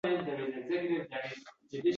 va kerak bo‘lganda oson koddan chiqarilishi bilan